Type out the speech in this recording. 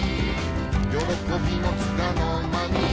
「よろこびもつかのまに」